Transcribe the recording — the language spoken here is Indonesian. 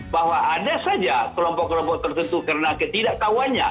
bahwa ada saja kelompok kelompok tertentu karena ketidaktahuannya